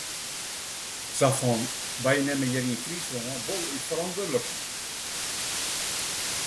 Sa fan: wy nimme hjir yn Fryslân wol ús ferantwurdlikheid.